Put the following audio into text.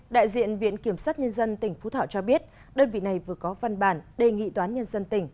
đại diện viện kiểm sát nhân dân tỉnh phú thọ cho biết đơn vị này vừa có văn bản đề nghị toán nhân dân tỉnh